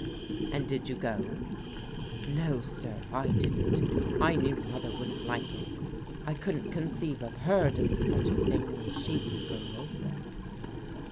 "And did you go?" " No, sir. I didn't I knew Mother wouldn't like it I couldn't conceive of her doing such a thing when she was a girl."